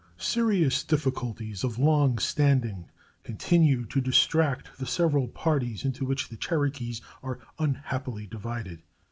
Serious difficulties of long standing continue to distract the several parties into which the Cherokees are unhappily divided.